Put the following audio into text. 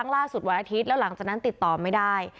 แล้วหลังจากนั้นติดต่อไม่ได้